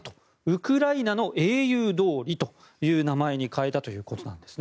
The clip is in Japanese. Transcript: ウクライナの英雄通りという名前に変えたということです。